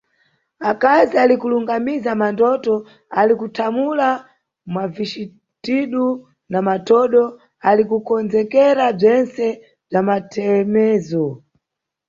Akazi ali kulungamiza mandoto, ali kuthamula mavixitidu na mathodo, ali kukonzekera bzentse bza mathemezo.